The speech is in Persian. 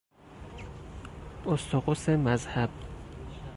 اسطقس مذهب